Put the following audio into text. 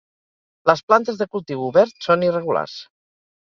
Les plantes de cultiu obert són irregulars